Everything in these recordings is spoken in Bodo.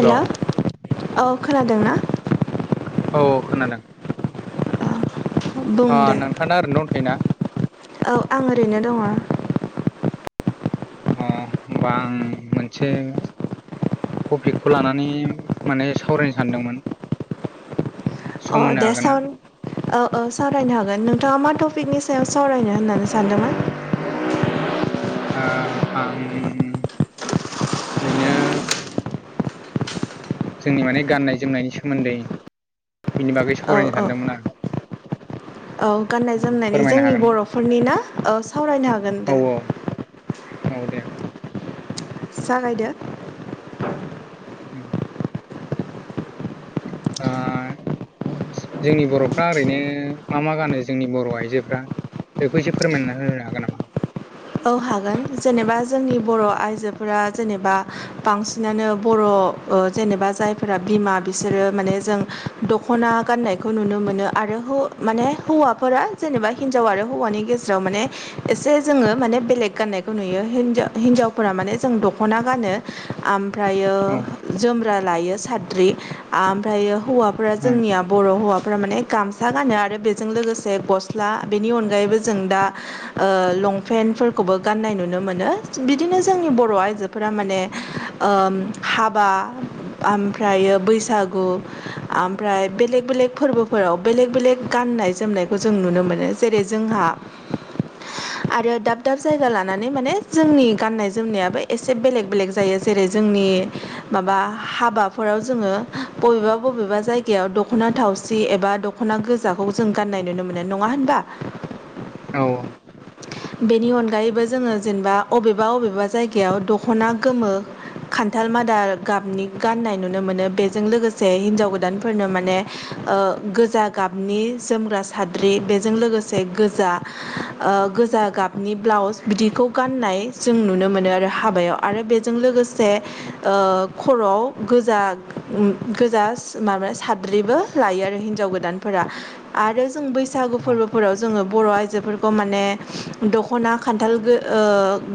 हेलौ औ खोनादों ना औ औ खोनादों बुं दे नोंथाङा ओरैनो दं थ'योना। औ आं ओरैनो दङ अ होमबा आं मोनसे टपिकखौ लानानै माने सावरायनो सानदोंमोन अ सम होनो दे हागोन साव ना औ औ सावरायनो हागोन नोंथाङा मा टपिकनि सायाव सावरायनो होननानै सानदोंमोन आं ओरैनो जोंनि माने गाननाय जोमनायनि सोमोन्दै बिनि बागै औ सावरायनो औ सानदोंमोन आं [inaudible] औ गाननाय जोमनायनि फोरमायनो जोंनि हागोन ना बर'फोरनि ना औ सावरायनो हागोन औ दे औ दे जागायदो औ। [unintelligible] जोंनि बर'फ्रा ओरैनो मा मा गानो जोंनि बर' आइजोफ्रा बेखौ एसे फोरमायना होनो हागोन नामा। औ हागोन जेनेबा जोंनि बर' आइजोफोरा जेनेबा बांसिनानो बर' जेनेबा जायफोरा बिमा बिसोरो माने जों दख'ना गाननायखौ नुनो मोनो आरो माने हौवाफोरा जेनेबा हिनजाव आरो हौवानि गेजेराव माने एसे जोङो। माने बेलेग गाननायखौ नुयो हिजाव हिनजावफोरा माने जों दख'ना गानो। ओमफ्रायो औ जोमग्रा लायो साद्रि ओमफ्रायो हौवाफोरा जोंनिया बर' हौवा फोर माने गामसा गानो आरो बेजों लोगोसे गस्ला बेनि अनगायैबो जों दा लं फेनफोरखौबो गाननाय नुनो मोनो बिदिनो जोंनि बर' आइजोफोरा माने हाबा ओमफ्राय बैसागु ओमफ्राय बेलेक बेलेक फोरबोफोराव बेलेक बेलेक गाननाय जोमनायखौ जों नुनो मोनो जेरै जोंहा था [inaudible] आरो दाब दाब जायगा लानानै माने जोंनि गाननाय जोमनायाबो एसे बेलेग बेलेग जायो जेरै जोंनि मा हाबाफोराव जोङो बबेबा बबेबा जायगायाव दख'ना थावसि एबा दख'ना गोजाखौ जों गान्नाय नुनो मोननाय नङा होनबा औ बेनि अनगायैबो जोङो जेनेबा अबेबा अबेबा जायगायाव दख'ना गोमो खान्थाल मादा गाबनि गाननाय नुनो मोनो बेजों लोगोसे हिन्जाव गोदानफोरनो माने ओ गोजा गाबनि जोमग्रा साद्रि बेजों लोगोसे गोजा ओ जा गाबनि ब्लाउस बिदिखौ गाननाय जों नुनो मोनो आरो हाबायाव आरो बेजों लोगोसे खर'आव गोजा गोजा माबा साद्रिबो लायो आरो हिनजाव गोदानफोरा आरो जों बैसागु फोरबोफोराव जोङो बर' आइजोफोरखौ माने दख'ना खान्थाल ओ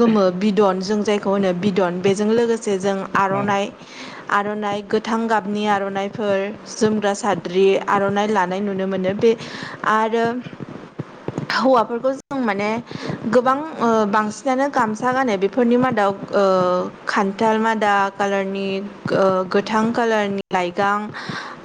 गोमो बिदन जों जायखौ होनो बिदन बेजों लोगोसे जों औ आर'नाइ गोथां गाबनि आर'नाइफोर जोमग्रा साद्रि आर'नाइ लानाय नुनो मोनो बे आरो [inaudible] हौवाफोरखौ जों माने गोबां बांसिनानो गामसा गानो बेफोरनि मादाव ओ खान्थाल मादा कालारनि गोथां कालारनि लाइगां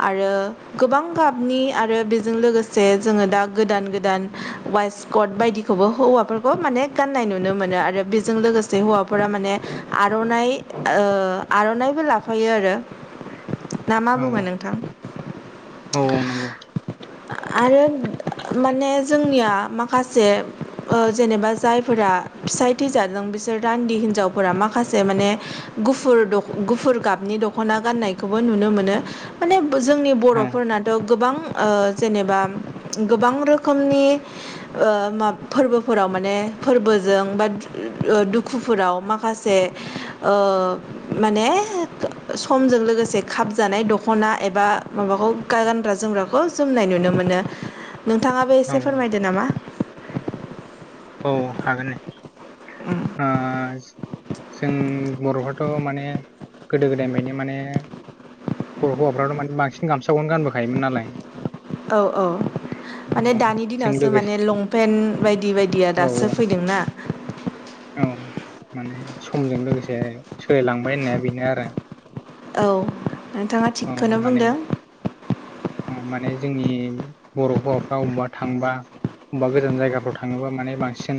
आरो गोबां गाबनि आरो बेजों लोगोसे जोङो दा गोदान गोदान वाइसकड बायदिखौबो हौवाफोरखौ माने गाननाय नुनो मोनो आरो बेजों लोगोसे हौवाफोरा माने आर'नाइ आर'नाइ ओ आर'नाइबो लाफायो आरो [inaudible] ना मा औ बुङो औ नोंथां औ नंगौ आरो माने जोंनिया माखासे माखासे ओ जेनेबा जायफोरा फिसायथि जादों बिसोर रान्दि हिनजावफोरा माखासे माने गुफुर गुफुर गाबनि दख'ना गाननायखौबो नुनो मोनो माने जोंनि औ बर'फोरनाथ' गोबां जेनेबा गोबां रोखोमनि फोरबोफोराव माने फोरबोजों बा दुखुफोराव माखासे माने समजों लोगोसे खखप जानाय दखना एबा माबाखौ गानग्रा जोमग्राखौ जोमनाय नुनो मोनो नोंथाङाबो औ एसे औ फोरमायदो नामा? औ हागोन नदे। उ जों बर'फ्राथ' माने गोदो गोदायनिफ्रायायनो माने बर' हौवाफ्राथ' माने बांसिन गामसाखौनो गानबोखायोमोन नालाय औ औ माने औ दानि जों दिनावसो लोगोसे माने लंपेन्ट बायदि बायदिया औ दासो फैदोंना औ माने समजों लोगोसे सोलायलांबाय होननाया बेनो आरो औ नोंथाङा औ थिगखौनो माने बुंदों। माने जोंनि बर' हौवाफ्रा अबावबा थांबा बबेबा गोजान जायगाफ्राव थाङोबा माने बांसिन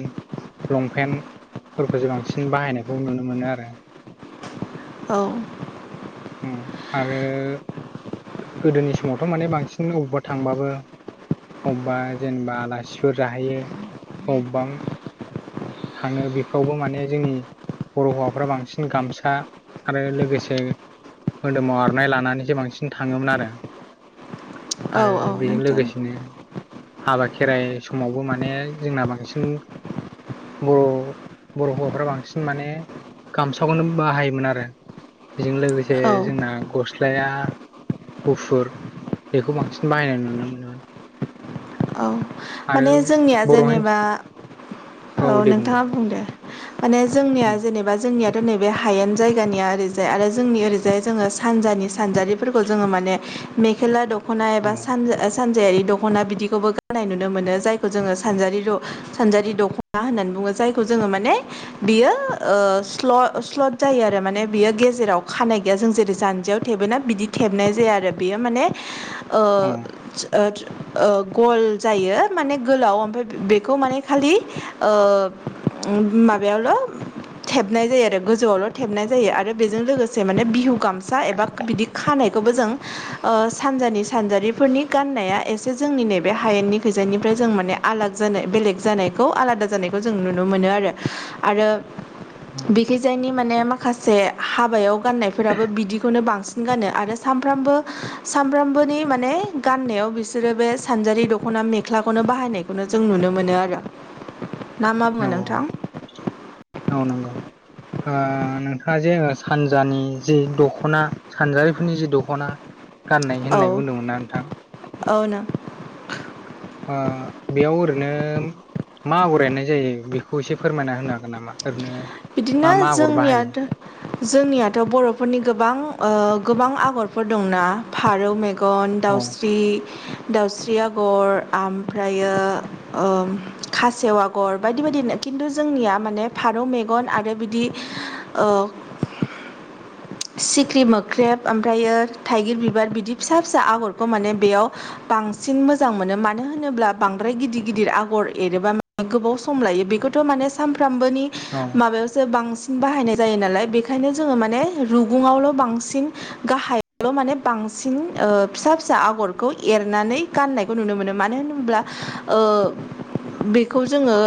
लंपेन्ट फोरफोरखौ जो बांसिन बाहायनायखौ नुनो मोनो आरो औ आरो गोदोनि समावथ' माने बांसिन बबेबा थांबाबो अबेबा जेनेबा आलासिफोर जाहैयो अबेबा थाङो बेफोरावबो माने जोंनि बर' हौवाफ्रा बांसिन गामसा आरो लोगोसे मोदोमाव आर'नाइ लानानैसो बांसिन थाङोमोन आरो औ आरो औ बेजों नोंथां लोगोसेनो हाबा खेराइ समावबो माने जोंना बांसिन बर' बर' हौवाफोरा बांसिन माने गामसाखौनो बाहायोमोन आरो बेजों लोगोसे औ जोंना गस स्लाया गुफुर बेखौ बांसिन बाहायनाय नुनो मोनोमोन। औ आरो माने जोंनिया बर' हिन जेनेबा औ दे बुं दे नोंथाङा बुंदों माने जोंनिया जेनेबा जोंनिया नैबे हायेन जायगानिया ओरैजाय आरो जोंनि ओरैजाय जोङो सानजानि सानजारिफोरखौ जोङो माने मेखेला दख'ना औ एबा औ सानजा सानजायारि दख'ना बिदिखौबो गानायनाय नुनो नुनो मोनो जायखौ जोङो सान सानजारि दख'ना होननानै बुङो जायखौ जोङो माने बियो ओ स्ल स्ल'द जायो आरो माने बियो गेजेराव खानाय गैया जों जेरै जानजियाव थेबोना बि दि थेबनाय जाया आरो बेयो माने ओ उम ओ ओ गल जायो माने गोलाव ओमफ्राय बेखौ माने खालि ओ माबायावल' थेबनाय जायो आरो गोजौआवल' थेबनाय जायो आरो बेजों लोगोसे माने बिहु गामसा एबा बिदि खानाय खौबौ जों ओ सानजानि सानजारिफोरनि गाननाया एसे जोंनि नैबे हायेननि खैजानिफ्राय जों माने आलाग जानाय बेलेग जानायखौ आलादा जानायखौ जों नुनो मोनो आरो। आरो बिखिजायनि माने माखासे हाबायाव गाननायफोराबो बिदिखौनो बांसिन गानो आरो सफ्रबोनि माने गाननायाव बिसोरो बे सानजारि दख'ना मेख्लाखौनो बाहायनायखौनो जों नुनो मोनो आरो। ना मा औ बुङो नोंथां औ औ नंगौ। ओ नोंथाङा जे सानजानि जि दख'ना सानजारिफोरनि जि दख'ना गाननाय औ होननाय बुंदोंमोनना नोंथां? औ नों ओ बेयाव ओरैनो मा आगर एरनाय जायो बेखौ एसे फोरमायना होनो हागोन नामा ओरैनो मा बिदिनो मा आगर जोंनिया बाहायो जोंनियाथ' बर'फोरनि गोबां ओ गोबां आगरफोर दंना फारौ मे गन औ दाउस्रि दाउस्रि आगर आमफ्रायो खासेव आगर बायदि बायदि खिन्थु जोंनिया माने फारौ मेगन आरो बिदि सिख्रि मोख्रेब ओमफ्रायो थाइगिर बिबार बिदि फिसा फिसा आगरखौ माने बेयाव बांसिन मोजां मोनो मानो होनोब्ला बांद्राय गिदिर गिदिर आगर एरोबा गोबाव सम लायो बेखौ थ' माने सानफ्रामबोनि औ माबायावसो बांसिन बाहायनाय जायो नालाय बेखायनो जोङो माने रुगुङावल' बांसिन गाहायावल' माने बांसिन ओ फिसा फिसा आगरखौ ए एरनानै गानायखौ नुनो मोनो मानो होनोब्ला ओ बेखौ जोङो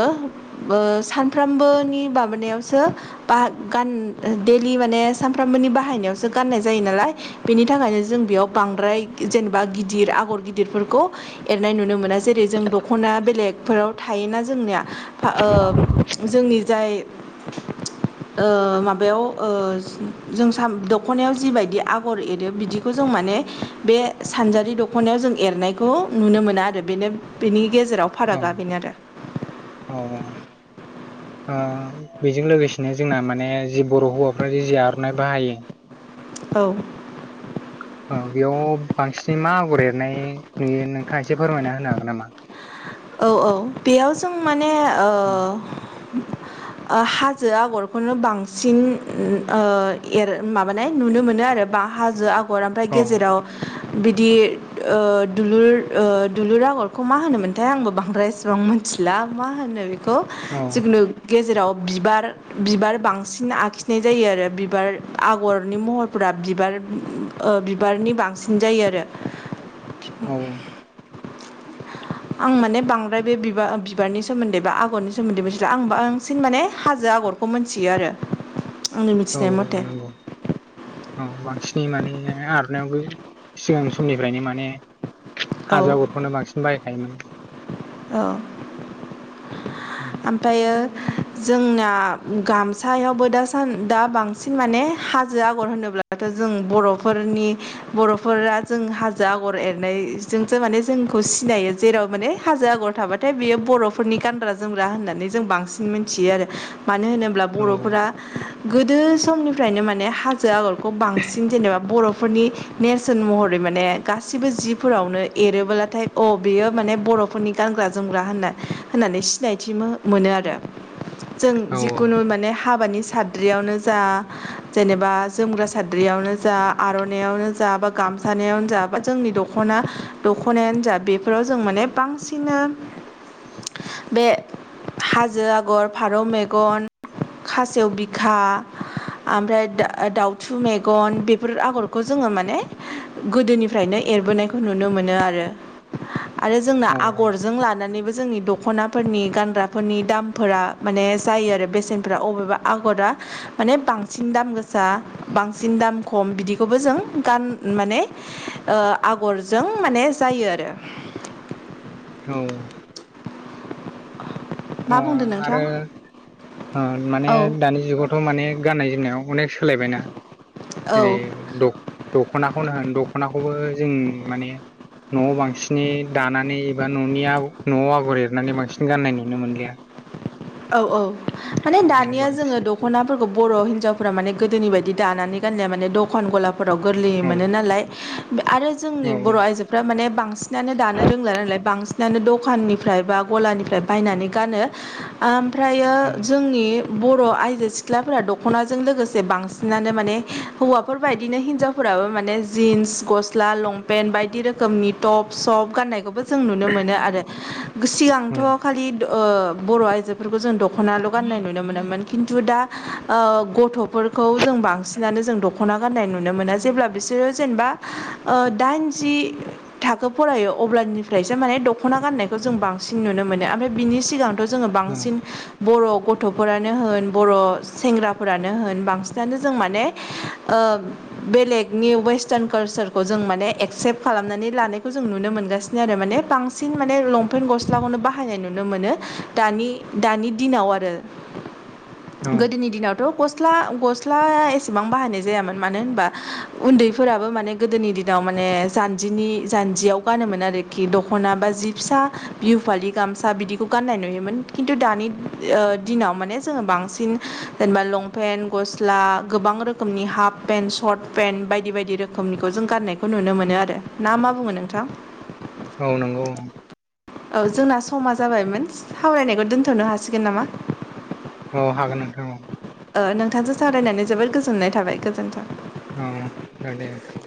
सानफ्रोमबोनि माबानायावसो बा गान डेलि माने सानफ्रामबोनि बाहायनायावसो गाननाय जायो नालाय बेनि थाखायनो जों बेयाव बांद्राय जेनेबा गिदिर आगर गिदिरफोरखौ एरनाय नुनो मोना जेरै जों दख'ना बेलेगफोराव थायोना जोंनिया ओ जोंनि जाय ओ माबायाव ओ जों साम दख'नायाव जिबायदि आगर एरो बिदिखौ जों माने बे सानजारि दख'नायाव जों एरनायखौ नुनो मोना आरो बेनो बेनि गेजेराव औ फारागा बेनो आरो। ओक्षबेजों लोगोसेनो जोंना माने जि बर' हौवाफोरा जि आर'नाइ बाहायो औ [inaudible] औ बेयाव बांसिनै मा आगर एरनाय नुयो नोंथाङा एसे फोरमायना होनो हागोन नामा? औ औ बेयाव जों माने ओ औ ओ हाजो आगरखौनो बांसिन ओ एर माबानाय नुनो मोनो नो आरो बा हाजो आगर ओमफ्राय औ गेजेराव बिदि ओ दुलुर ओ दुलुर आगरखौ मा होनोमोन थाय आंबो बांद्राय इसिबां मिथिला मा होनो बेखौ जुगुन गेजेराव बिबार बिबार बांसिन आखिनाय जायो आरो बिबार आगरनि महरफोरा बिबार ओ बिबारनि बांसिन जायो आरो। औ आं माने बांद्राय बे बा बिबारनि सोमोन्दै बा आगरनि सोमोन्दै मिथिला आं बांसिन माने हाजो आगरखौ मिथियो आरो। आंनि औ मिथिनाय औ मथे नंगौ औ बांसिन नि माने आर'नायावबो सिगां समनिफ्रायनो माने औ हाजो आगरखौनो बांसिन बाहायखायोमोन। औ ओमफायो [inaudible] जोंना गामसायावबो दासान दा बांसिन माने हाजो आगर होनोब्लाथ' जों जों बर'फोरनि बर'फोरा जों हाजो आगर एरनायजोंसो माने जोंखौ सिनायो जेराव माने हाजो आगर थाबाथाय बियो बर'फोरनि गानग्रा जोमग्रा होननानै जों बांसिन मिथियो आरो। मानो होनोब्ला औ बर'फोरा गोदो समनिफ्रायनो माने हाजो आगर खौ बांसिन जेनेबा बर' फोरनि नेरसोन महरै माने गासिबो जिफोरावनो एरोबोलाथाय अ बेयो माने बर' खरनि गानग्रा जोमग्रा होनना होननानै सिनायथि मोनो आरो। जों औ जिखुनु माने हाबानि साद्रियावनो जा जेनेबा जोमग्रा साद्रियावनो जा आर'नायवनो जा बा गामसानायावनो जा बा जोंनि दख' ना दख'नायानो जा बेफोराव जों माने बांसिनो बे हाजो आगर, फारौ मेगन खासेव बिखा ओमफ्राय दा दाउथु मेगन बेफोर आगरखौ जोङो माने गोदोनिफ्रायनो एरबोनायखौ नुनो मोनो आरो। आरो जोंना औ आगरजों लानानैबो जोंनि दख'नाफोरनि गानग्राफोरनि दामफोरा माने जायो आरो बेसेन फोरा अबेबा आगरा माने बांसिन दाम गोसा बांसिन दाम खम बिदिखौबो जों गान माने ओ आगरजों माने जायो आरो‌। औ मा बुंदों अ' नोंथां आरो ओ माने औ दानि जुगावथ' माने गाननाय जोमनायाव अनेक सोलायबायना। जेरै औ दख-दख'नाखौनो होन दख'नाखौबो जों माने न'आव बांसिनै दानानै एबा न'नि आग न'आव आगर एरनानै बांसिन गाननाय नुनो मोनलिया। औ औ माने औ दानिया बांसिन जोङो दख'नाफोरखौ बर' हिन्जावफोरा माने गोदोनि बायदि दानानै गानलिया‌। माने दखान गलाफोराव गोरलैय औ मोनो नालाय। बो आरो औ जोंनि बर' आइजोफ्रा माने बांसिनानो दानो रोंला नालाय। बांसिन दानो दखाननिफ्राय बा गलानिफ्राय बायनानै गानो। ओमफ्रायो औ जोंनि बर' आइजो सिख्लाफोरा दख'नाजों लोगोसे बांसिनानो माने हौवाफोरबायदिनो हिनजावफोरा। आबा माने जिन्स, गस्ला, लंपेन्ट बायदि रोखोमनि टप सप गाननायखौबो जों नुनो मोनो। ओ आरो। औ सिगांथ' खालि ओ बर' आइजोफोरखौ जों दख'नाल' गाननाय नुनो मोनोमोन खिन्थु दा। ओ गथ'फोरखौ जों बांसिनानो जों दख'ना गाननाय नुनो मोना जेब्ला बिसोरो जेनेबा। ओ दाइन जि थाखो फरायो अब्लानिफ्रायसो माने दख ख'ना गाननायखौ जों बांसिन नुनो मोनो‌ ओमफ्राय बिनि सिगांथ' जोङो औ बांसिन बर' गथ'फोरानो होन बर' सेंग्राफोरानो होन बांसिनानो जों माने ओ बेलेगनि वेस्टार्न कालचारखौ जों माने एक्सेप्ट खालामनानै लानायखौ जों नुनो मोनगासिनो आरो मान बांसिन माने लंपे फेन गस्लाखौनो बाहायनाय नुनो मोनो दानि दिनाव आरो औ गोदोनि दिनाव गस्ला गस्ला एसेबां बाहायनाय जायामोन मानो होनबा उन्दैफोराबो माने गोदोनि नाव माने जान्जिनि जान्जियाव गानोमोन आरोखि दख'ना बा जि फिसा बिहु फालि। गामसा बिदिखौ गाननाय नुयोमोन। खिन्थु दानि दिनाव ओ माने जोङो बांसिन जेनेबा लंपेन्ट गस्ला गोबां गोबां रोखोमनि हाप पेन सत पेन बायदि बायदि रोखोमनिखौ जों गाननायखौ नुनो मोनो आरो ना मा बुङो नोंथां औ नंगौ। औ जोंना समा जाबायमोन मिन्स सावरायनायखौ दोन्थ'नो हासिगोन नामा? औ हागोन नोंथां औ ओ नोंथांजों सावरायनानै जोबोद गोजोननाय थाबाय गोजोन्थों। ओ जागोन दे नोंथां।